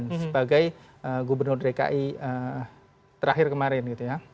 sebagai gubernur dki terakhir kemarin